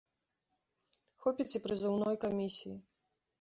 Хопіць і прызыўной камісіі.